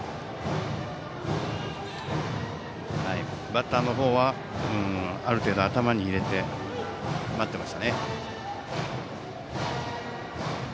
バッターの方はある程度、頭に入れて待っていましたね。